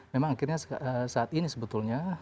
memang akhirnya saat ini sebetulnya